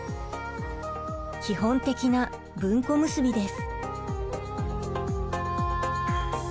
基本的な文庫結びです。